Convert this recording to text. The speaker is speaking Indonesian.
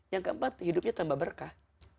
yang keempat hidupnya tambah berkah